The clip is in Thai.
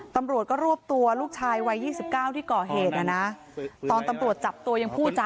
ตำรวจก็รวบตัวลูกชายวัยยี่สิบเก้าที่เกาะเหตุอ่ะน่ะตอนตำรวจจับตัวยังพูดอ่ะ